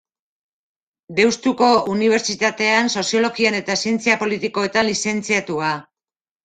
Deustuko Unibertsitatean Soziologian eta Zientzia Politikoetan lizentziatua.